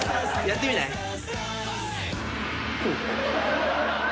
やってみない？